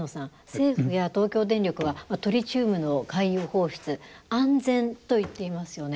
政府や東京電力はトリチウムの海洋放出安全と言っていますよね。